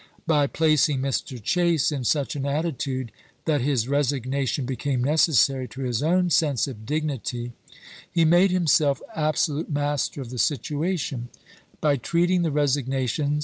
By placing Mr. Chase in such an attitude that his resignation became necessary to his own sense of dignity he made himself absolute SEWARD AND CHASE 271 master of tlie situation ; by treating the resignations chap.